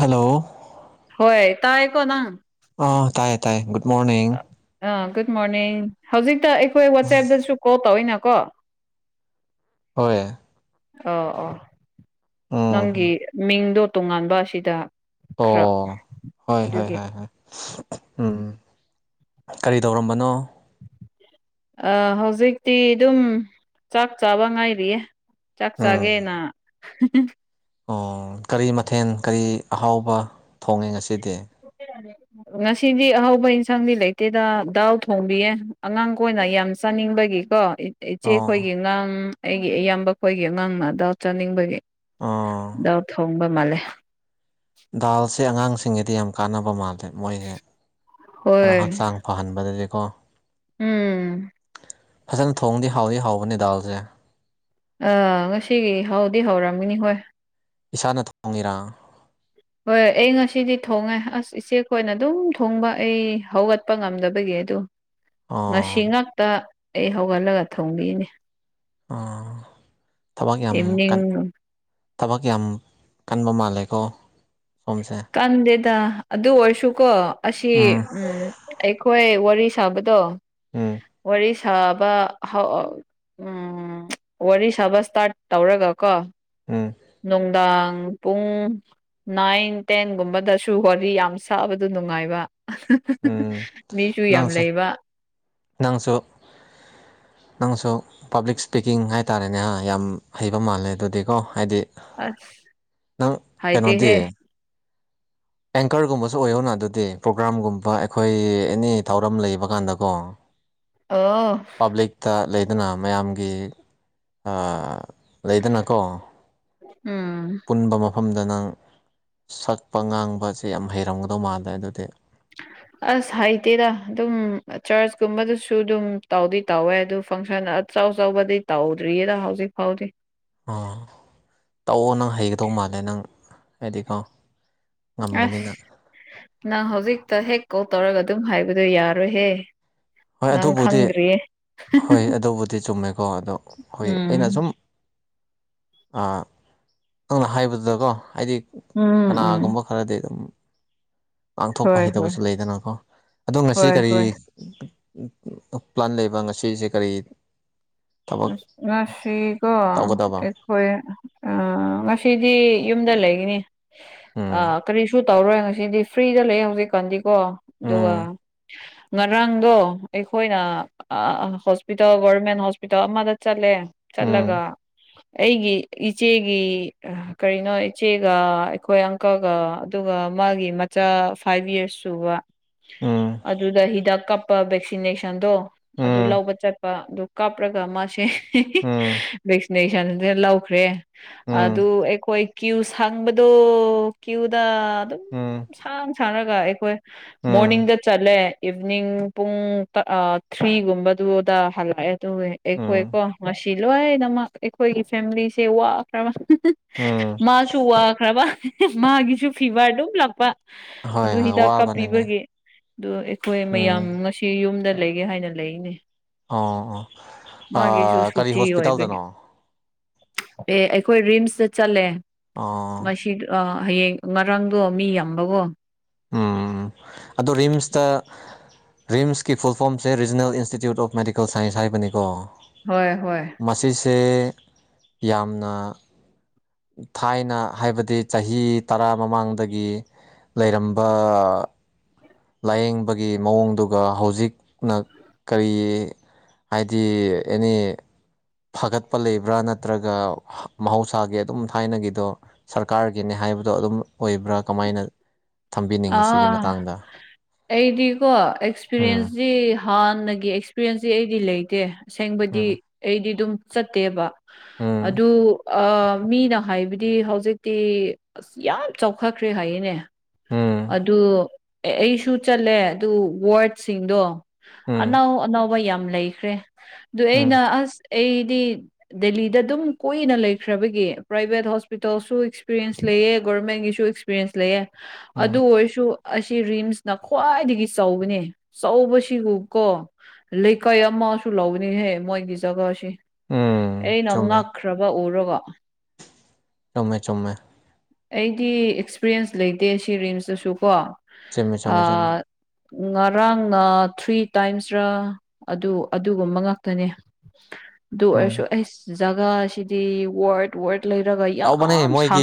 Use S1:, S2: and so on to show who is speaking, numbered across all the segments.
S1: Hello
S2: ꯍꯣꯏ ꯇ ꯑꯀꯣꯅꯥ
S1: ꯑ ꯇꯥꯏꯌꯦ ꯇꯥꯏꯌꯦ ꯃꯣꯔꯅꯤꯡ
S2: ꯑꯥ ꯒꯨꯗ ꯃꯣꯔꯅꯤꯡ ꯍꯧꯖꯤꯛꯇ ꯑꯩꯈꯣꯏ ꯋꯥꯆꯦꯞꯇꯁꯨ ꯀꯣꯜ ꯇꯧꯋꯤꯅꯀꯣ
S1: ꯍꯣꯏ
S2: ꯑ ꯑ ꯅꯪꯒꯤ
S1: ꯎꯝ
S2: ꯃꯤꯡꯗꯣ ꯇꯣꯉꯥꯟꯕ ꯑꯁꯤꯗ ꯈꯔ
S1: ꯑꯣ ꯍꯣꯏ ꯍꯣꯏ
S2: ꯑꯗꯨꯒꯤ
S1: ꯍ ꯎꯝ ꯀꯔꯤ ꯇꯧꯔꯝꯕꯅꯣ
S2: ꯑ ꯍꯧꯖꯤꯛꯇꯤ ꯑꯗꯨꯝ ꯆꯥꯛ ꯆꯥꯕ ꯉꯥꯏꯔꯤꯌꯦ
S1: ꯎꯝ
S2: ꯆꯥꯛꯆꯥꯒꯦꯅꯥ
S1: ꯑꯣ ꯀꯔꯤ ꯃꯊꯦꯜ ꯀꯔꯤ ꯑꯍꯥꯎꯕ ꯊꯣꯡꯉꯦ ꯉꯁꯤꯗꯤ
S2: ꯉꯁꯤꯗꯤ ꯑꯍꯧꯕ ꯏꯟꯁꯥꯡꯗꯤ ꯂꯩꯇꯦꯗ ꯗꯥꯎ ꯊꯣꯡꯕꯤꯌꯦ ꯑꯉꯥꯡ ꯀꯅ ꯅ ꯌꯥꯝ ꯆꯥꯅꯤꯡꯕꯒꯤ ꯀꯣ ꯏꯆꯦꯈꯣꯏꯒꯤ
S1: ꯑꯣ
S2: ꯑꯉꯥꯡ ꯑꯩꯒꯤ ꯏꯌꯥꯝꯕ ꯑꯩꯈꯣꯏꯒꯤ ꯑꯉꯥꯡꯅ ꯑꯗꯥꯎ ꯆꯥꯅꯤꯡꯕꯒꯤ
S1: ꯑꯣ
S2: ꯎ ꯊꯣꯡꯕ ꯃꯥꯂꯦ
S1: ꯗꯥꯜꯁꯦ ꯑꯉꯥꯡꯁꯤꯡꯒꯤꯗꯤ ꯌꯥꯝ ꯀꯥꯟꯅꯕ ꯃꯥꯜꯜꯂꯤꯦ ꯃꯣꯏꯁꯦ ꯈꯔ
S2: ꯍꯣꯏ
S1: ꯍꯛꯆꯥꯡ ꯐꯍꯟꯕꯗꯗꯤꯀꯣ
S2: ꯎꯝ
S1: ꯐꯖꯅ ꯊꯣꯡꯗꯤ ꯍꯥꯎꯗꯤ ꯍꯥꯎꯕꯅꯦ ꯗꯥꯜꯁꯦ
S2: ꯑꯥ ꯉꯁꯤꯒꯤ ꯍꯧꯥꯎꯗꯤ ꯍꯧꯔꯝꯃꯤꯅꯤ ꯍꯣꯏ
S1: ꯏꯁꯥꯅ ꯊꯣꯡꯉꯔꯥ
S2: ꯍꯣꯏꯣꯏ ꯑꯩ ꯉꯁꯤꯗꯤ ꯊꯣꯡꯉꯦ ꯑꯁ ꯏꯆꯦ ꯈꯣꯏꯅ ꯑꯗꯨꯝ ꯊꯣꯡꯕ ꯑꯩ ꯍꯧꯒꯠꯄ ꯉꯝꯗꯕꯒꯤ ꯑꯗꯨ
S1: ꯑꯣ
S2: ꯉꯁꯤ ꯉꯥꯛꯇ ꯑꯩ ꯍꯧꯒꯠꯂꯒ ꯊꯣꯡꯕꯤꯅꯤ
S1: ꯊꯕꯛ ꯌꯥꯝ
S2: ꯏꯚꯅꯤꯡ
S1: ꯀꯟ ꯊꯕꯛ ꯌꯥꯝ ꯀꯟꯕ ꯃꯥꯜꯂꯦꯀꯣ ꯁꯣꯝꯁꯦ
S2: ꯀꯟꯗꯦꯗ ꯑꯗꯨ ꯑꯣꯏꯔꯁꯨꯀꯣ ꯑꯁꯤ ꯎꯝ ꯑꯩꯈꯣꯏ ꯋꯥꯔꯤ ꯁꯥꯕꯗꯣ
S1: ꯎꯝ
S2: ꯋꯥꯔꯤ ꯁꯥꯕ ꯋꯥꯔꯤ ꯁꯥꯕ ꯏꯁꯇꯥꯔꯠ ꯇꯧꯔꯒ ꯀꯣ
S1: ꯎꯝ
S2: ꯅꯨꯡꯗꯥꯡ ꯄꯨꯡ ꯅꯥꯏꯟ ꯇꯦꯟꯒꯨꯝꯕꯗꯁꯨ ꯍꯣꯂꯤ ꯌꯥꯝ ꯁꯥꯕꯗꯨ ꯅꯨꯡꯉꯥꯏꯕ
S1: ꯎꯝ
S2: ꯃꯤꯁꯨ ꯌꯥꯝ
S1: ꯅꯪꯁꯨ
S2: ꯂꯩꯕ
S1: ꯅꯪꯁꯨ ꯅꯪꯁꯨ ꯄꯥꯕ꯭ꯂꯤꯛ ꯏꯁꯄꯤꯀꯤꯡ ꯍꯥꯏꯇꯥꯔꯦꯅꯦ ꯌꯥꯝ ꯍꯩꯕ ꯃꯥꯜꯂꯦ ꯑꯗꯨꯗꯤꯀꯣ ꯍꯥꯏꯗꯤ
S2: ꯑꯁ
S1: ꯅꯪ
S2: ꯍꯥꯏꯥꯏꯇ
S1: ꯀꯩꯅꯣꯗꯤ
S2: ꯍꯦ
S1: ꯑꯦꯡꯀꯔꯒꯨꯝꯕꯁꯨ ꯑꯣꯏꯌꯧꯅ ꯑꯗꯨꯗꯤ ꯄ꯭ꯔꯣꯒ꯭ꯔꯥꯝꯒꯨꯝꯕ ꯑꯩꯈꯣꯏ ꯑꯦꯅꯤ ꯊꯧꯔꯝ ꯂꯩꯕ ꯀꯥꯟꯗꯀꯣ
S2: ꯑꯣ
S1: ꯄꯕ꯭ꯂꯤꯛꯇ ꯂꯩꯗꯨꯅ ꯃꯌꯥꯝꯒꯤ ꯂꯩꯗꯅꯀꯣ
S2: ꯎꯝ
S1: ꯄꯨꯟꯕ ꯃꯐꯝ ꯃꯐꯝꯗ ꯅꯪ ꯁꯛꯄ ꯉꯥꯡꯕꯁꯦ ꯌꯥꯝ ꯍꯩꯔꯝꯒꯗꯧ ꯃꯥꯜꯂꯦ ꯑꯗꯨꯗꯤ
S2: ꯑꯁ ꯍꯥꯏꯩꯇꯦꯗ ꯑꯗꯨꯝ ꯆꯔꯆꯀꯨꯝꯕꯗꯨꯁꯨ ꯑꯗꯨꯝ ꯇꯥꯎꯗꯤ ꯇꯥꯎꯋꯦ ꯑꯗꯨ ꯐꯪꯁꯟ ꯑꯆꯧ ꯆꯥꯎꯧꯕꯗꯤ ꯇꯧꯗ꯭ꯔꯤꯌꯦꯗ ꯍꯧꯖꯤꯛ ꯐꯥꯎꯗꯤ
S1: ꯑꯥ ꯇꯥꯛꯑꯣ ꯅꯪ ꯍꯩꯒꯗꯧ ꯃꯥꯜꯂꯦ ꯅꯪ ꯍꯥꯏꯗꯤꯀꯣ
S2: ꯑꯁ
S1: ꯉꯝꯒꯅꯤꯅ
S2: ꯅꯪ ꯍꯧꯖꯤꯛꯇ ꯍꯦꯛ ꯀꯣꯜ ꯇꯧꯔꯒ ꯑꯗꯨꯝ ꯍꯥꯏꯕꯗꯨꯣ ꯌꯥꯔꯣꯏꯍꯦ
S1: ꯍꯣꯏ
S2: ꯅꯪ
S1: ꯑꯗꯨꯕꯨꯗꯤ
S2: ꯈꯪ꯭ꯔꯤ
S1: ꯍꯣꯏ ꯑꯗꯨꯕꯨꯗꯤ ꯆꯨꯝꯃꯦꯀꯣ ꯑꯗꯣ ꯍꯣꯏ ꯑꯩꯅ
S2: ꯎꯝ
S1: ꯁꯁꯨꯝ ꯅꯪꯅ ꯍꯥꯏꯕꯗꯨꯗꯀꯣ ꯍꯥꯏꯗꯤ
S2: ꯎꯝ ꯎꯝ
S1: ꯀꯅꯥꯒꯨꯝꯕ ꯈꯔꯗꯤ ꯑꯗꯨꯝ ꯄꯥꯡꯊꯣꯛꯄ
S2: ꯍꯣꯏ ꯍꯣꯏ
S1: ꯍꯩꯇꯕꯁꯨ ꯂꯩꯗꯅꯀꯣ ꯑꯗꯣ ꯉꯁꯤ
S2: ꯍꯣꯏ
S1: ꯀꯔꯤ
S2: ꯍꯣꯏ
S1: ꯄ꯭ꯂꯥꯟ ꯂꯩꯕ ꯉꯁꯤꯁꯦ ꯀꯔꯤ ꯊꯕꯛ
S2: ꯑ ꯉꯁꯤꯀꯣ
S1: ꯇꯧꯒꯗꯕ
S2: ꯑꯩꯈꯣꯏ ꯑ ꯉꯁꯤꯗꯤ ꯌꯨꯝꯗ ꯂꯩꯒꯅꯤ ꯑ
S1: ꯎꯝ
S2: ꯀꯔꯤꯁꯨ ꯇꯧꯔꯣꯏ ꯉꯁꯤꯗꯤ ꯐ꯭ꯔꯤꯗ ꯂꯩ ꯍꯧꯖꯤꯛꯀꯥꯟꯗꯤ ꯀꯣ ꯑꯗꯨꯒ
S1: ꯎꯝ
S2: ꯉꯔꯥꯡꯗꯣ ꯑꯩꯈꯣꯏꯅ ꯍꯣꯁꯄꯤꯇꯥꯜ ꯒꯣꯔꯔꯃꯦꯟ ꯍꯣꯁꯄꯤꯇꯥꯜ ꯑꯃꯗ ꯆꯠꯂꯦ
S1: ꯎꯝ
S2: ꯆꯜꯂꯒ ꯑꯩꯒꯤ ꯏꯆꯦꯒꯤ ꯀꯔꯤꯅꯣ ꯏꯆꯦꯒ ꯑꯩꯈꯣꯏ ꯑꯪꯀꯒ ꯑꯗꯨꯒ ꯃꯥꯒꯤ ꯃꯆꯥ ꯐꯥꯏꯚ ꯌꯔꯁ ꯁꯨꯕ
S1: ꯎꯝ
S2: ꯑꯗꯨꯗ ꯍꯤꯗꯥꯛ ꯀꯞꯄ ꯚꯦꯛꯁꯤꯅꯦꯁꯟꯗꯣ ꯑꯗꯨ
S1: ꯎꯝ
S2: ꯂꯧꯕ ꯆꯠꯄ ꯑꯗꯨ ꯀꯥꯞꯄ꯭ꯔꯒ ꯃꯁꯦ
S1: ꯎꯝ
S2: ꯚꯦꯛꯁꯤꯅꯦꯁꯟꯁꯤꯅ ꯂꯧꯈ꯭ꯔꯦ
S1: ꯎꯝ
S2: ꯑꯗꯨ ꯑꯩꯈꯣꯏ ꯀ꯭ꯌꯨꯁ ꯍꯪꯕꯗꯣ ꯀ꯭ꯨ ꯗ ꯑꯗꯨꯝ ꯁꯥꯡ ꯁꯥꯡꯔꯒ ꯑꯩꯈꯣꯏ
S1: ꯎꯝ ꯎꯝ
S2: ꯃꯣꯔꯅꯤꯡꯗ ꯆꯠꯂꯦ ꯏꯚꯅꯤꯡ ꯄꯨꯡ ꯊ꯭ꯔꯤꯒꯨꯝꯕꯗꯨꯗ ꯍꯜꯂꯛꯑꯦ ꯇꯋꯦ
S1: ꯎꯝ
S2: ꯑꯩꯈꯣꯏꯀꯣ ꯉꯁꯤ ꯂꯣꯏꯅꯃꯛ ꯑꯩꯈꯣꯏꯒꯤ ꯐꯦꯃꯤꯂꯤꯁꯦ ꯋꯥꯈ꯭ꯔꯕ
S1: ꯎꯝ
S2: ꯃꯥꯁꯨ ꯋꯥꯈ꯭ꯔꯕ ꯃꯥꯒꯤꯁꯨ ꯐꯤꯚꯔ ꯑꯗꯨꯝ ꯂꯥꯛꯄ
S1: ꯍꯣꯏ
S2: ꯑꯗꯨ
S1: ꯍꯣꯏ
S2: ꯍꯤꯗꯥꯛ
S1: ꯋꯥꯕꯅꯤꯅꯦ
S2: ꯀꯥꯞꯄꯤꯕꯒꯤ ꯑꯗꯨ ꯑꯩꯈꯣꯏ
S1: ꯎꯝ
S2: ꯃꯌꯥꯝ ꯉꯁꯤ ꯌꯨꯝꯗ ꯂꯩꯒꯦ ꯍꯥꯏꯅ ꯂꯩꯅꯦ ꯃꯥꯒꯤꯁꯨ
S1: ꯑꯥ ꯀꯔꯤ
S2: ꯁꯨꯇꯤ ꯑꯣꯏꯕꯒꯤ
S1: ꯍꯣꯁꯄꯤꯇꯥꯜꯗꯅꯣ
S2: ꯑꯦ ꯑꯩꯈꯣꯏ ꯔꯤꯝꯁꯇ ꯆꯠꯂꯦ
S1: ꯑꯣ
S2: ꯃꯁꯤ ꯍꯌꯦꯡ ꯉꯔꯥꯡꯗꯣ ꯃꯤ ꯌꯥꯝꯕꯒꯣ
S1: ꯎꯝ ꯑꯗꯣ ꯔꯤꯝꯁꯇ ꯔꯤꯝꯁꯀꯤ ꯐꯨꯜꯐꯣꯝꯁꯦ regional institute of medical science ꯍꯥꯏꯕꯅꯤꯀꯣ
S2: ꯍꯣꯏ ꯍꯣꯏ
S1: ꯁꯦ ꯌꯥꯝꯅ ꯊꯥꯏꯅ ꯍꯥꯏꯕꯗꯤ ꯆꯍꯤ ꯇꯔꯥ ꯃꯃꯥꯡꯗꯒꯤ ꯂꯩꯔꯝꯕ ꯂꯥꯏꯌꯦꯡꯕꯒꯤ ꯃꯑꯣꯡꯗꯨꯒ ꯍꯧꯖꯤꯛꯅ ꯀꯔꯤ ꯍꯥꯏꯗꯤ ꯑꯦꯅꯤ ꯐꯒꯠꯄ ꯂꯩꯕ꯭ꯔꯥ ꯅꯠꯇ꯭ꯔꯒ ꯃꯍꯧꯁꯥꯒꯤ ꯑꯗꯨꯝ ꯊꯥꯏꯅꯒꯤꯗꯣ ꯁꯔꯀꯥꯔꯒꯤꯅꯦ ꯍꯥꯏ ꯍꯥꯏꯕꯗꯣ ꯑꯗꯨꯝ ꯑꯣꯏꯕ꯭ꯔꯥ ꯀꯃꯥꯏꯅ ꯊꯝꯕꯤꯅꯤꯡꯉꯤ ꯁꯤꯒꯤ
S2: ꯑꯥ
S1: ꯃꯇꯥꯡꯗ
S2: ꯑꯩꯗꯤꯀꯣ
S1: ꯎꯝ
S2: ꯑꯦꯛꯁꯄꯤꯔꯤꯌꯦꯟꯁꯇ ꯍꯥꯟꯅꯒꯤ ꯑꯦꯛꯁꯄꯤꯔꯤꯌꯦꯟꯁꯁ ꯑꯩꯗꯤ ꯂꯩꯇꯦ ꯑꯁꯦꯡꯕꯗꯤ
S1: ꯎꯝ
S2: ꯑꯩꯗꯤ ꯑꯗꯨꯝ ꯆꯠꯇꯦꯕ
S1: ꯎꯝ
S2: ꯑꯗꯨꯗ ꯃꯤꯅ ꯍꯥꯏꯕꯗꯤ ꯍꯧꯖꯤꯛꯇꯤ ꯑꯁ ꯌꯥꯝ ꯆꯥꯎꯈꯠꯈ꯭ꯔꯦ ꯍꯥꯏꯌꯦꯅꯦ
S1: ꯎꯝ
S2: ꯑꯗꯨ ꯑꯩꯁꯨ ꯆꯠꯂꯦ ꯑꯗꯨ ꯋꯥꯔꯗꯁꯤꯡꯗꯣ
S1: ꯎꯝ
S2: ꯑꯅꯥꯎ ꯑꯅꯕ ꯌꯥꯝ ꯂꯩꯈ꯭ꯔꯦ ꯑꯗꯨ
S1: ꯎꯝ
S2: ꯑꯩꯅ ꯑꯁ ꯑꯩꯗꯤ ꯗꯦꯜꯂꯤꯗ ꯑꯗꯨꯝ ꯀꯣꯏꯅ ꯂꯩꯈ꯭ꯔꯕꯒꯤ ꯄ꯭ꯔꯥꯏꯚꯦꯠ ꯍꯣꯁꯄꯤꯇꯥꯜꯁꯨ ꯑꯦꯛꯁꯄꯤꯔꯤꯦꯟꯁ ꯂꯩꯑꯦ ꯒꯣꯔꯔꯃꯦꯟꯒꯤꯁꯨ ꯑꯦꯛꯁꯄꯤꯔꯤꯦꯟꯁ ꯂꯩꯑꯦ ꯑꯗꯨ
S1: ꯎꯝ
S2: ꯑꯣꯏꯔꯁꯨ ꯑꯁꯤ ꯔꯤꯝꯁꯅ ꯈ꯭ꯋꯥꯏꯗꯒꯤ ꯆꯥꯎꯧꯕꯅꯤ ꯆꯥꯎꯧꯕꯁꯤꯕꯨ ꯀꯣ ꯂꯩꯀꯥꯏ ꯑꯃꯁꯨ ꯂꯧꯅꯤꯍꯦ ꯃꯣꯏꯒꯤ ꯖꯒꯥꯁꯤ
S1: ꯎꯝ
S2: ꯑꯩꯅꯪ
S1: ꯆꯨꯝꯃꯦ
S2: ꯉꯛꯈ꯭ꯔꯕ ꯎꯔꯣꯒꯣ
S1: ꯆꯨꯝꯃꯦ ꯆꯨꯝꯃꯦ
S2: ꯑꯩꯗꯤ ꯑꯦꯛꯁꯄꯤꯔꯤꯌꯦꯟꯁ ꯂꯩꯇꯦ ꯁꯤ ꯔꯤꯝꯁꯇꯁꯨ ꯀꯣ
S1: ꯆꯨꯝꯃꯦ ꯆꯨꯝꯃꯦ ꯆꯨꯝꯃꯦ
S2: ꯉꯔꯥꯡꯅ ꯊ꯭ꯔꯤ ꯇꯥꯏꯝꯁꯔ ꯑꯗꯨ ꯑꯗꯨꯒꯨꯝꯕ ꯉꯥꯛꯇꯅꯤ ꯑꯗꯨ ꯑꯣꯏꯔꯁꯨ
S1: ꯎꯝ
S2: ꯑꯩ ꯖ ꯁꯤꯗꯤ ꯋꯥꯣꯠ ꯋꯥ
S1: ꯇꯧꯕꯅꯦ ꯃꯣꯏꯒꯤ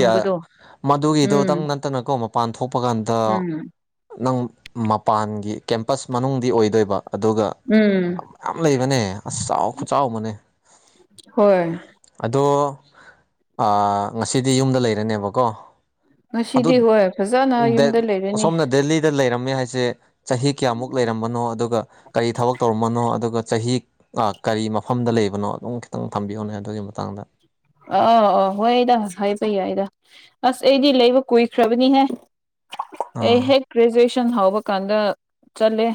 S2: ꯎꯝ
S1: ꯃꯗꯨꯒꯤꯗꯨꯣꯗꯪ ꯅꯠꯇꯅꯀꯣ ꯃꯄꯥꯟ ꯊꯣꯛꯄ ꯀꯥꯟꯗ
S2: ꯎꯝ
S1: ꯅꯪ ꯃꯄꯥꯟꯒꯤ ꯀꯦꯝꯄꯁ ꯃꯅꯨꯡꯗꯤ ꯑꯣꯏꯗꯣꯏꯕ ꯑꯗꯨꯒ
S2: ꯎꯝ
S1: ꯃꯌꯥꯝ ꯂꯩꯕꯅꯦ ꯑꯁ ꯆꯥꯎ ꯈꯨ ꯆꯥꯎꯕꯅꯦ
S2: ꯍꯣꯏ
S1: ꯑꯗꯣ ꯉꯁꯤꯗꯤ ꯌꯨꯝꯗ ꯂꯩꯔꯅꯦꯕꯀꯣ ꯑꯗꯨ
S2: ꯉꯁꯤꯗꯤ ꯍꯣꯏ ꯐꯖꯅ ꯌꯨꯝꯗ ꯂꯩꯔꯅꯤ
S1: ꯑꯁꯣꯝꯅ ꯗꯦꯜꯂꯤꯗ ꯂꯩꯔꯝꯃꯦ ꯍꯥꯏ ꯁꯦ ꯆꯍꯤ ꯀꯌꯥꯃꯨꯛ ꯂꯩꯔꯝꯕꯅꯣ ꯑꯗꯨꯒ ꯀꯔꯤ ꯊꯕꯛ ꯇꯧꯔꯝꯕꯅꯣ ꯑꯗꯨꯒ ꯑꯗꯨꯒ ꯆꯍꯤ ꯀꯔꯤ ꯃꯐꯝꯗ ꯂꯩꯕꯅꯣ ꯑꯗꯨꯝ ꯈꯤꯇꯪ ꯊꯝꯕꯤꯌꯣꯅꯦ ꯑꯗꯨꯒꯤ ꯃꯇꯥꯡꯗ
S2: ꯑ ꯑꯥ ꯍꯣꯏ ꯑꯩꯗ ꯍꯥꯏꯕ ꯌꯥꯏ ꯑꯩꯗ ꯑꯁ ꯑꯩꯗꯤ ꯂꯩꯕ ꯀꯨꯏꯈ꯭ꯔꯕꯅꯤꯍꯦ ꯑꯩ
S1: ꯑꯥ
S2: ꯍꯦꯛ ꯒ꯭ꯔꯦꯖꯨꯑꯦꯁꯟ ꯍꯧꯕ ꯀꯥꯟꯗ ꯆꯠꯂꯦ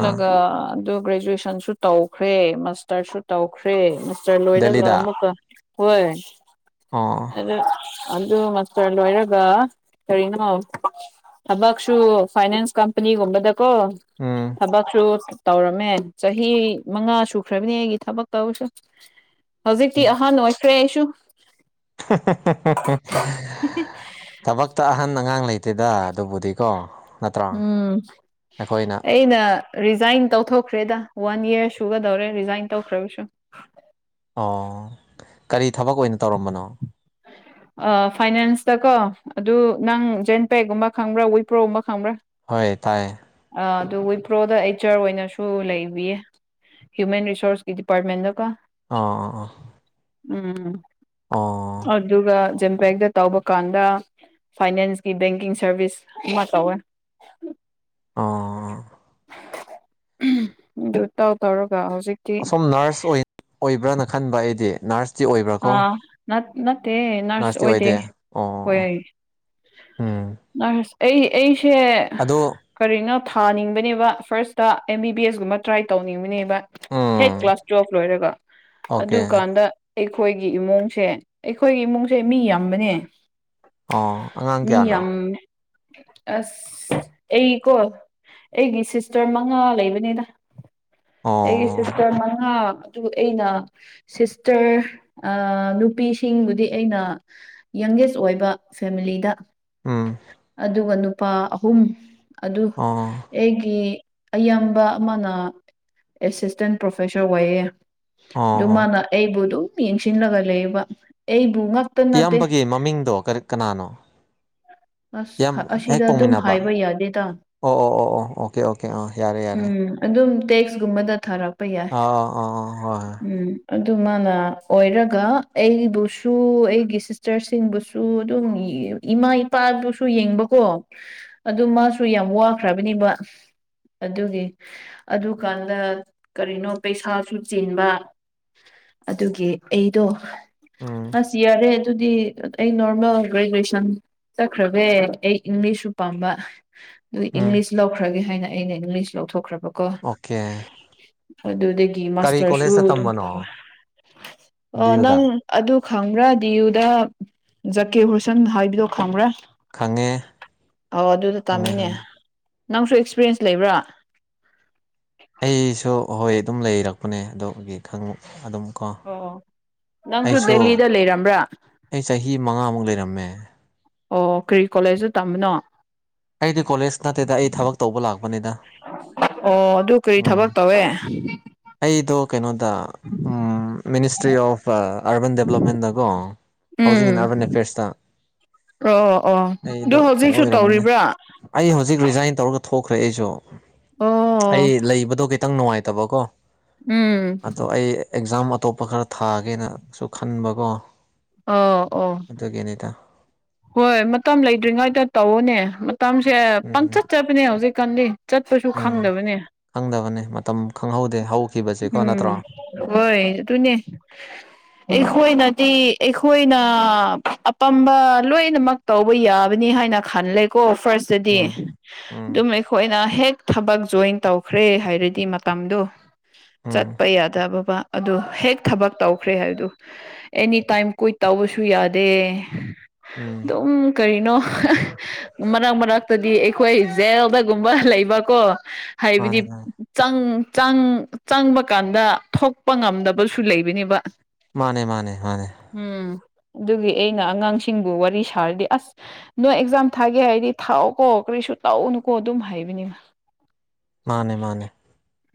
S1: ꯑꯥ
S2: ꯑꯗꯨ ꯒ꯭ꯔꯦꯖꯨꯑꯦꯁꯟꯁꯨ ꯇꯧꯈ꯭ꯔꯦ ꯃꯥꯁꯇꯔꯁꯨ ꯇꯧꯈ꯭ꯔꯦ ꯆꯇ꯭ꯔ ꯂꯣꯏꯔꯒ
S1: ꯗꯦꯜꯂꯤꯗ
S2: ꯑꯃꯨꯛꯀ ꯍꯣꯏ
S1: ꯑꯣ
S2: ꯑꯗ ꯑꯗꯨ ꯃꯥꯁꯇꯔ ꯂꯣꯏꯔꯒ ꯀꯔꯤꯅꯣ ꯊꯕꯛꯁꯨꯁꯨ ꯐꯥꯏꯅꯥꯟꯁ ꯀꯝꯄꯅꯤꯒꯨꯝꯕꯗꯀꯣ
S1: ꯎꯝ
S2: ꯊꯕꯛꯁꯨ ꯇꯧꯔꯝꯃꯦ ꯆꯍꯤ ꯃꯉꯥ ꯁꯨꯈ꯭ꯔꯕꯅꯤ ꯑꯩꯒꯤ ꯊꯕ ꯇ ꯍꯧꯖꯤꯛ
S1: ꯎꯝ.
S2: ꯑꯍ ꯅꯣꯏ ꯀ꯭ꯔꯦꯁꯁꯨ
S1: ꯊꯕꯛꯇ ꯑꯍꯟ ꯑꯉꯥꯡ ꯂꯩꯇ ꯑꯗꯨꯦꯗꯥ ꯑꯗꯨꯕꯨꯗꯤꯀꯣ ꯅꯠꯇ꯭ꯔꯥ
S2: ꯎꯝ
S1: ꯑꯩꯈꯣꯏꯅ
S2: ꯑꯩꯅ ꯔꯤꯖꯥꯏꯟ ꯇꯧꯊꯣꯛꯈ꯭ꯔꯦꯗ ꯋꯥꯟ ꯌꯔ ꯁꯨꯒꯗꯧꯔꯦ ꯔꯤꯖꯥꯏꯟ ꯇꯧꯈ꯭ꯔꯕꯁꯨ
S1: ꯑꯣ ꯀꯔꯤ ꯊꯕꯛ ꯑꯣꯏꯅ ꯇꯧꯔꯝꯕꯅꯣ
S2: ꯐꯥꯏꯅꯥꯟꯁꯇ ꯀꯣ ꯑꯗꯨ ꯅꯪ ꯖꯦꯟ ꯄꯦꯒꯨꯝꯕ ꯈꯪꯕ꯭ꯔꯥ ꯋꯤꯄ꯭ꯔꯣꯒꯨꯝꯕ ꯈꯪꯕ꯭ꯔꯥ
S1: ꯍꯣꯏ ꯇꯥꯏ
S2: ꯑꯗꯨ ꯋꯤꯄ꯭ꯔꯣꯗ ꯑꯩꯆ ꯑꯔ ꯑꯣꯏꯅꯁꯨ ꯂꯩꯕꯤꯌꯦ ꯍ꯭ꯌꯨꯃꯦꯟ ꯔꯤꯁꯣꯔꯁꯀꯤ ꯗꯤꯄꯥꯔꯠꯃꯦꯟꯗꯀꯣ
S1: ꯑꯥ ꯑꯥ ꯑꯥ
S2: ꯎꯝ ꯑꯗꯨꯒ ꯖꯦꯝꯄꯦꯛꯛꯇ ꯇꯧꯕ ꯀꯥꯟꯗ ꯐꯥꯏꯅꯥꯟꯁꯀꯤ ꯕꯦꯡꯀꯤꯡ ꯁꯥꯔꯚꯤꯁ ꯑꯃ ꯇꯧꯋꯦ
S1: ꯑꯥ
S2: ꯇ ꯇꯔ
S1: ꯑꯁꯣꯝ ꯅꯔꯁ ꯑꯣꯏꯕ꯭ꯔꯅ ꯈꯟꯕ ꯑꯩꯗꯤ ꯅꯔꯁ
S2: ꯑꯥ ꯅꯠꯇꯦ ꯅꯔꯁ
S1: ꯅꯔꯁꯇꯤ
S2: ꯑꯣꯏꯗꯦ
S1: ꯑꯣ
S2: ꯍꯣꯏ
S1: ꯑꯣ
S2: ꯑ
S1: ꯎꯝ
S2: ꯑꯩ ꯑꯩꯁꯦ
S1: ꯑꯗꯣ
S2: ꯀꯔꯤꯅꯣ ꯊꯥꯅꯤꯡꯕꯅꯦꯕ ꯐꯥꯔꯁꯇ ꯑꯦꯝ ꯕꯤ ꯕꯤ ꯑꯦꯁꯒꯨꯝꯕ ꯇ꯭ꯔꯥꯏ ꯇꯧꯅꯤꯡꯕꯅꯦꯕ ꯍꯦꯠ
S1: ꯎꯝ
S2: ꯀ꯭ꯂꯥꯁ ꯇꯨꯋꯦꯜꯐ ꯂꯣꯏꯔꯒ
S1: ꯑꯣꯀꯦ
S2: ꯑꯗꯨꯀꯥꯟꯗ ꯑꯩꯈꯣꯏꯒꯤ ꯏꯃꯨꯡꯁꯦ ꯑꯩꯈꯣꯏꯒꯤ ꯏꯃꯨꯡꯁꯦ ꯃꯤ ꯌꯥꯝꯕꯅꯦ
S1: ꯑꯣ ꯑꯉꯥꯡ
S2: ꯃꯤ
S1: ꯀꯌꯥꯅꯣ
S2: ꯌꯥꯝ ꯑꯁ ꯑꯩ ꯀꯣ ꯑꯩꯒꯤ ꯁꯤꯁꯇꯔ ꯃꯉꯥ ꯂꯩꯕꯅꯤꯅ
S1: ꯑꯣ
S2: ꯑꯩꯒꯤ ꯁꯤꯁꯇꯔ ꯃꯉꯥ ꯑꯗꯨ ꯑꯩꯅ ꯁꯤꯁꯇꯔ ꯅꯨꯄꯤꯁꯤꯡꯕꯨꯗꯤ ꯑꯩꯅ ꯌꯪꯒꯦꯁ ꯑꯣꯏꯕ ꯐꯦꯃꯤꯂꯤꯗ
S1: ꯎꯝ
S2: ꯑꯗꯨꯒ ꯅꯨꯄꯥ ꯑꯍꯨꯝ ꯑꯗꯨ
S1: ꯑꯣ
S2: ꯑꯩꯒꯤ ꯑꯌꯥꯝꯕ ꯑꯃꯅ ꯑꯦꯁꯤꯁꯇꯦꯟ ꯄ꯭ꯔꯣꯐꯦꯁꯔ ꯑꯣꯏꯌꯦ
S1: ꯑꯣ ꯑꯣ
S2: ꯑꯗꯨꯃꯅ ꯑꯩꯩꯕꯗꯨ ꯌꯦꯡꯁꯤꯟꯂꯒꯂꯦꯕ
S1: ꯏꯌꯥꯝꯕꯒꯤ ꯃꯃꯤꯡꯗꯣ ꯀꯔꯤ ꯀꯅꯥꯅꯣ ꯌꯥꯝ
S2: ꯑꯁ ꯑꯁꯤꯗ
S1: ꯍꯦꯛ
S2: ꯑꯗꯨꯝ
S1: ꯄꯧꯃꯤꯟꯅꯕ
S2: ꯍꯥꯏꯕ ꯌꯥꯗꯦꯗ
S1: ꯑꯣ ꯑꯣ ꯑꯣ ꯑꯣ ꯑꯣꯀꯦ ꯑꯣꯀꯦ ꯑꯥ ꯌꯥꯔꯦ ꯌꯥꯔꯦ
S2: ꯗꯦꯛꯁ ꯨꯝꯃꯟꯗ ꯊꯥꯔ
S1: ꯑ ꯑ ꯑ ꯑ ꯍ
S2: ꯑꯗꯨꯃꯅ ꯑꯣꯏꯔꯒ ꯑꯩꯕꯨꯁꯨ ꯑꯩꯒꯤ ꯁꯤꯁꯇꯔꯁꯤꯡꯕꯨꯁꯨ ꯑꯗꯨꯝ ꯏꯃꯥ ꯏ ꯄꯥꯗꯨꯁꯨ ꯌꯦꯡꯕꯀꯣ ꯑꯗꯨ ꯃꯥꯁꯨ ꯌꯥꯝ ꯋꯥꯈ꯭ꯔꯕꯅꯦꯕ ꯑꯗꯨꯒꯤ ꯑꯗꯨꯀꯥꯟꯗ ꯀꯔꯤꯅꯣ ꯄꯩꯁꯥꯁꯨ ꯆꯦꯟꯕ ꯑꯗꯨꯒꯤ ꯑꯩꯗꯣ
S1: ꯎꯝ
S2: ꯑꯁ ꯌꯥꯔꯦ ꯑꯗꯨꯗꯤ ꯑꯩ ꯅꯣꯔꯃꯦꯜ ꯒ꯭ꯔꯦꯖꯨꯑꯦꯁꯟ ꯆꯠꯈ꯭ꯔꯕꯦ ꯑꯩ ꯏꯪꯂꯤꯁꯁꯨ ꯄꯥꯝꯕ ꯑꯗꯨ
S1: ꯎꯝ
S2: ꯏꯪꯂꯤꯁ ꯂꯧꯈ꯭ꯔꯒꯦ ꯍꯥꯏꯅ ꯑꯩꯅ ꯏꯪꯂꯤꯁ ꯂꯧꯊꯣꯛꯈ꯭ꯔꯕꯀꯣ
S1: ꯑꯣꯀꯦ
S2: ꯑꯗꯨ ꯑꯗꯒꯤ
S1: ꯀꯔꯤ ꯀꯣꯂꯦꯖꯇ
S2: ꯃꯥꯁꯇꯔꯁꯨ ꯑꯗꯨꯝ
S1: ꯇꯝꯕꯅꯣ
S2: ꯇꯧ
S1: ꯗꯤꯌꯨꯗ
S2: ꯅꯪ ꯈꯪꯕ꯭ꯔꯥ ꯗꯤ ꯌꯨꯗ ꯖꯛꯀꯦ ꯍꯨꯔꯁꯟ ꯍꯥꯏꯕꯤꯗꯣ ꯈꯪꯕ꯭ꯔꯥ
S1: ꯈꯪꯉꯦ
S2: ꯑ ꯑꯗꯨꯗ
S1: ꯈꯪꯉꯦ
S2: ꯇꯥꯃꯤꯅꯦ
S1: ꯈꯪꯉꯦ
S2: ꯅꯪꯁꯨ ꯑꯦꯛꯁꯄꯤꯔꯤꯌꯦꯟꯁ ꯂꯩꯕ꯭ꯔꯥ
S1: ꯑꯩꯁꯨ ꯍꯣꯏ ꯑꯗꯨꯝ ꯂꯩꯔꯛꯄꯅꯦ ꯑꯗꯨꯒꯤ ꯈꯪ ꯑꯗꯨꯝ ꯀꯣ
S2: ꯑꯣ ꯅꯪꯁꯨ
S1: ꯑꯩꯁꯨ
S2: ꯗꯦꯂꯤꯗ ꯂꯩꯔꯝꯕ꯭ꯔꯥ
S1: ꯑꯩ ꯆꯍꯤ ꯃꯉꯥꯃꯨꯛ ꯂꯩꯔꯝꯃꯦ
S2: ꯑꯣ ꯀ꯭ꯔꯤ ꯀꯣꯂꯦꯖꯇ ꯇꯝꯃꯤꯅꯣ
S1: ꯑꯩꯗꯤ ꯀꯣꯂꯦꯖ ꯅꯠꯇꯦꯗ ꯑꯩ ꯊꯕꯛ ꯇꯧꯕ ꯂꯥꯛꯄꯅꯤꯅ
S2: ꯑꯣ ꯑꯗꯨ ꯀꯔꯤ ꯊꯕꯛ ꯇꯧꯋꯦ
S1: ꯑꯩꯗ ꯀꯩꯅꯣꯗ ꯃꯤꯅꯤꯁꯇ꯭ꯔꯤ ꯑꯣꯐ ꯑꯔꯕꯟ ꯗꯦꯕꯂꯞꯃꯦꯟꯗꯀꯣ ꯍꯥꯎꯖꯤꯡ
S2: ꯎꯝ
S1: ꯑꯦꯟ ꯑꯥꯔꯕꯟ ꯑꯦꯐꯤꯌꯔꯁꯇ
S2: ꯑꯣ ꯑꯣ ꯑꯗꯨ
S1: ꯑꯩꯗꯣ ꯀꯩꯅꯣ
S2: ꯍꯧꯖꯤꯛꯁꯨ
S1: ꯑꯣꯏꯔꯝꯕꯅꯦ
S2: ꯇꯧꯔꯤꯕ꯭ꯔꯥ
S1: ꯑꯩ ꯍꯧꯖꯤꯛ ꯔꯤꯖꯥꯏꯟ ꯇꯧꯔꯒ ꯊꯣꯛꯈ꯭ꯔꯦ ꯑꯩꯁꯨ ꯑꯩ
S2: ꯑꯣꯝ
S1: ꯂꯩꯕꯗꯣ ꯈꯤꯇꯪ ꯅꯨꯡꯉꯥꯏꯇꯕꯀꯣ
S2: ꯎꯝ
S1: ꯑꯗꯣ ꯑꯩ ꯑꯦꯛꯖꯥꯝ ꯑꯇꯣꯞꯄ ꯈꯔ ꯊꯥꯒꯦꯅꯁꯨ ꯈꯟꯕꯀꯣ
S2: ꯑ ꯑꯣ
S1: ꯑꯗꯨꯒꯤꯅꯤꯗ
S2: ꯍꯣꯏ ꯃꯇꯝ ꯂꯩꯗ꯭ꯔꯤꯉꯩꯗ ꯇꯧꯧꯕꯅꯦ ꯃꯇꯝꯁꯦ
S1: ꯎꯝ
S2: ꯄꯪꯆꯠ ꯆꯕꯅꯦ ꯍꯧꯖꯤꯛꯀꯥꯟꯗꯤ ꯆꯠꯄꯁꯨ
S1: ꯎꯝ
S2: ꯈꯪꯗꯕꯅꯦ
S1: ꯈꯪꯗꯕꯅꯦ ꯃꯇꯝ ꯈꯪꯍꯧꯗꯦ ꯍꯧꯈꯤꯕꯁꯦꯀꯣ
S2: ꯎꯝ
S1: ꯅꯠꯇ꯭ꯔꯣ
S2: ꯍꯣꯏ ꯇꯨꯅꯦ ꯑꯩꯈꯣꯏꯅꯗꯤ ꯑꯩꯈꯣꯏꯅ ꯑꯄꯥꯝꯕ ꯂꯣꯏꯅꯃꯛ ꯇꯧꯕ ꯌꯥꯕꯅꯤ ꯍꯥꯏꯅ ꯈꯜꯂꯦꯀꯣ ꯐꯥꯔꯁꯇꯗꯤ
S1: ꯎꯝ ꯎꯝ
S2: ꯑꯗꯨꯝ ꯑꯩꯈꯣꯏꯅ ꯍꯦꯛ ꯊꯕꯛ ꯖꯣꯏꯟ ꯇꯧꯈ꯭ꯔꯦ ꯍꯥꯏꯔꯗꯤ ꯃꯇꯝꯗꯣ
S1: ꯎꯝ
S2: ꯆꯠꯄ ꯌꯥꯗꯕꯕꯥ ꯑꯗꯨ ꯍꯦꯛ ꯊꯕꯛ ꯇꯧꯈ꯭ꯔꯦ ꯍꯥꯏꯕꯗꯨ ꯑꯦꯅꯤ ꯇꯥꯏꯝ ꯀꯨꯏ ꯇꯧꯕꯁꯨ ꯌꯥꯗꯦ
S1: ꯎꯝ
S2: ꯑꯗꯨꯝ ꯀꯔꯤꯅꯣ ꯃꯔꯛ ꯃꯔꯛꯇꯗꯤ ꯑꯩꯈꯣꯏ ꯖꯦꯜꯗꯒꯨꯝꯕ ꯂꯩꯕꯀꯣ ꯍꯥꯏꯕꯗꯤ
S1: ꯃꯥꯅꯦ
S2: ꯆꯪ ꯆꯪꯕ ꯀꯥꯟꯗ ꯊꯣꯛꯄ ꯉꯝꯗꯕꯁꯨ ꯂꯩꯕꯅꯦꯕ
S1: ꯃꯥꯅꯦ ꯃꯥꯅꯦ ꯃꯥꯅꯦ
S2: ꯎꯝ ꯑꯗꯨꯒꯤ ꯑꯩꯅ ꯑꯉꯥꯡꯁꯤꯡ ꯁꯤꯡꯕꯨ ꯋꯥꯔꯤ ꯁꯥꯔꯗꯤ ꯑꯁ ꯅꯣꯏ ꯑꯦꯛꯖꯥꯝ ꯊꯥꯒꯦ ꯍꯥꯏꯔꯗꯤ ꯊꯥꯎꯑꯣꯀꯣ ꯀꯔꯤꯁꯨ ꯇꯥꯎꯎꯅꯨꯀꯣ ꯑꯗꯨꯝ ꯍꯥꯏꯕ ꯅꯤ
S1: ꯃꯥꯅꯦ ꯃꯥꯅꯦ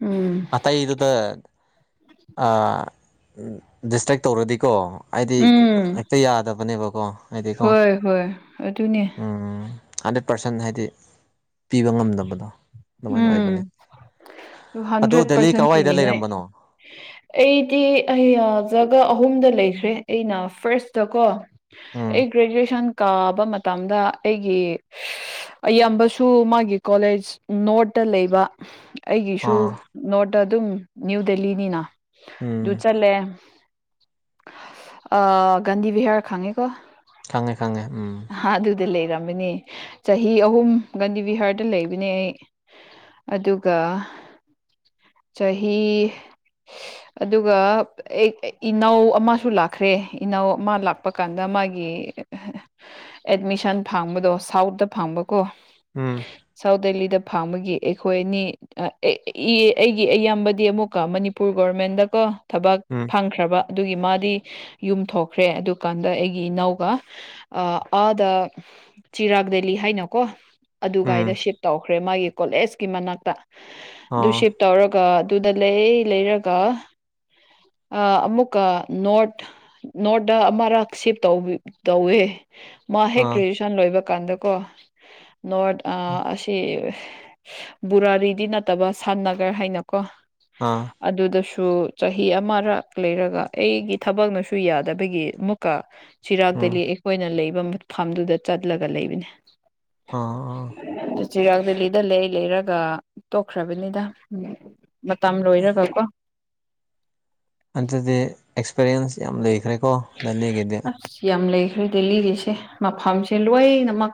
S2: ꯎꯝ
S1: ꯑꯇꯩꯗꯨꯗ ꯗꯤꯁꯇ꯭ꯔꯦꯛ ꯇꯧꯔꯗꯤꯀꯣ ꯍꯥꯏꯗꯤ
S2: ꯎꯝ
S1: ꯍꯦꯛꯇ ꯌꯥꯗꯕꯅꯦꯕꯀꯣ ꯍꯥꯏꯗꯤꯀꯣ
S2: ꯍꯣꯏ ꯍꯣꯏ ꯑꯗꯨꯅꯦ
S1: ꯎꯝ ꯍꯟꯗ꯭ꯔꯦꯠ ꯄꯥꯔꯁꯦꯟ ꯍꯥꯏꯗꯤ ꯄꯤꯕ ꯉꯝꯗꯕꯗꯣ ꯑꯗꯨꯃꯥꯏꯅ ꯑꯣꯏꯕꯅꯤ
S2: ꯇꯨ ꯍꯟꯗ꯭ꯔꯦꯠ ꯄꯥꯔꯁꯦꯟ ꯄꯤꯅꯤꯡꯉꯥꯏ
S1: ꯂꯩꯔꯝꯕꯅꯣ
S2: ꯑꯩꯗꯤ ꯑꯩ ꯒ ꯑꯍꯨꯝꯗ ꯂꯩꯈ꯭ꯔꯦ ꯑꯩꯅ ꯐꯥꯔꯁꯇ ꯀꯣ
S1: ꯎꯝ
S2: ꯑꯩ ꯒ꯭ꯔꯦꯖꯨꯑꯦꯁꯟ ꯀꯥꯕ ꯃꯇꯝꯗ ꯑꯩꯒꯤ ꯑꯌꯥꯝꯕꯁꯨ ꯁꯨ ꯃꯥꯒꯤ ꯀꯣꯂꯦꯖ ꯅꯣꯔꯠꯇ ꯂꯩꯕ ꯑꯩꯒꯤꯁꯨ
S1: ꯑꯥ
S2: ꯅꯣꯔꯠꯇ ꯑꯗꯨꯝ ꯅ꯭ꯌꯨ ꯗꯦꯜꯂꯤꯅꯤꯅ
S1: ꯎꯝ
S2: ꯑꯗꯨ ꯆꯠꯂꯦ ꯑ ꯥꯟꯙꯤꯕꯤꯍꯥꯔ ꯈꯪꯉꯦꯀꯣ
S1: ꯈꯪꯉꯦ ꯈꯪꯉꯦ ꯎꯝ
S2: ꯍꯥ ꯑꯗꯨꯗꯂ ꯏꯔꯝ ꯆꯍꯤ ꯑꯍꯨꯝ ꯒꯥꯟꯙꯤ ꯕꯤꯍꯥꯔꯗ ꯂꯩꯕꯅꯦ ꯑꯩ ꯑꯗꯨꯒ ꯆꯍꯤ ꯑꯗꯨꯒ ꯑꯩ ꯏꯅꯥꯎ ꯑꯃꯁꯨ ꯂꯥꯛꯈ꯭ꯔꯦ ꯏꯅꯥꯎ ꯑꯃ ꯂꯥꯛꯄ ꯀꯥꯟꯗ ꯃꯥꯒꯤ ꯑꯦꯠꯃꯤꯁꯟ ꯐꯪꯕꯗꯣ ꯁꯥꯎꯠꯇꯠꯇ ꯐꯪꯕꯀꯣ
S1: ꯎꯝ
S2: ꯁꯥꯎꯠ ꯗꯦꯜꯂꯤ ꯗ ꯐꯥꯡꯕꯒꯤ ꯑꯩꯈꯣꯏ ꯑꯅꯤ ꯑꯩꯒꯤ ꯑꯌꯥꯝꯕꯗꯤ ꯑꯃꯨꯛꯀꯣ ꯃꯅꯤꯄꯨꯔ ꯒꯣꯔꯔꯃꯦꯟꯗꯀꯣ ꯊꯕꯛ
S1: ꯎꯝ
S2: ꯐꯪꯈ꯭ꯔꯕ ꯑꯗꯨꯒꯤ ꯃꯥꯗꯤ ꯌꯨꯝ ꯊꯣꯛꯈ꯭ꯔꯦ ꯑꯗꯨꯀꯥꯟꯗ ꯑꯩꯒꯤ ꯏꯅꯥꯎꯒ ꯑꯥꯗ ꯆꯤꯔꯥꯛ ꯗꯦꯂꯤ ꯍꯥꯏꯅꯀꯣ ꯑꯗꯨꯒꯥꯏꯗ
S1: ꯎꯝ
S2: ꯁꯤꯞ ꯇꯧꯈ꯭ꯔꯦ ꯃꯥꯒꯤ ꯀꯣꯂꯦꯖꯀꯤ ꯃꯅꯥꯛꯇ
S1: ꯑꯣ
S2: ꯑꯗꯨꯁꯤꯞ ꯇꯧꯔꯒ ꯀ ꯑꯗꯨꯗ ꯂꯩ ꯂꯩꯔꯒ ꯑꯃꯨꯛꯀ ꯅꯣꯠ ꯅꯣꯠꯇ ꯑꯃꯔꯛ ꯁꯤꯞ ꯇꯧꯕ ꯇꯧꯋꯦ ꯃꯥ ꯍꯦꯛ
S1: ꯑꯥ
S2: ꯒ꯭ꯔꯦꯖꯨꯋꯦꯁꯟ ꯂꯣꯏꯕ ꯀꯥꯟꯗꯀꯣ ꯅꯣꯔꯠ ꯑꯁꯤ ꯔꯥꯔꯤꯗꯤ ꯅꯠꯇꯕ ꯁꯝ ꯒꯔ ꯍꯥꯏꯅꯀꯣ
S1: ꯑꯥ
S2: ꯑꯗꯨꯗꯁꯨ ꯁꯨ ꯆꯍꯤ ꯑꯃꯔꯛ ꯂꯩꯔꯒ ꯑꯩꯒꯤ ꯊꯕꯛꯅꯁꯨ ꯌꯥꯗꯕꯒꯤ ꯑꯃꯨꯛꯀ ꯆꯤꯔꯥꯛ
S1: ꯎꯝ
S2: ꯗꯦꯂꯤ ꯑꯩꯈꯣꯏꯅ ꯂꯩꯕ ꯃꯐꯝꯗꯨꯗ ꯆꯠꯂꯒ ꯂꯩꯕꯅꯦ
S1: ꯑꯥ ꯑꯥ
S2: ꯑꯗꯨ ꯆꯤꯔꯥꯛ ꯗꯦꯂꯤꯗ ꯂꯩ ꯂꯩꯔꯒ ꯇꯣꯛꯈ꯭ꯔꯕꯅꯤꯗ ꯎꯝ ꯃꯇꯝ ꯂꯣꯏꯔꯒꯀꯣ
S1: ꯑꯗꯨꯗꯤ ꯑꯦꯛꯁꯄꯤꯔꯤꯌꯦꯟꯁ ꯌꯥꯝ ꯂꯩꯈ꯭ꯔꯦꯀꯣ ꯗꯅꯦꯒꯤꯗꯤ
S2: ꯑꯩꯈꯣꯏ ꯗꯦꯜꯂꯤꯒꯤꯁꯦ ꯃꯐꯝꯁꯦ ꯂꯣꯏꯅꯃꯛ